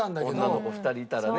女の子２人いたらね。